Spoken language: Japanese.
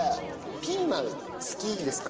ピーマン好きですか？